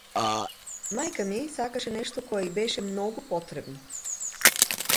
Мајка ми сакаше нешто кое ѝ беше многу потребно.